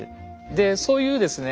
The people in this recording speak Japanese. でそういうですね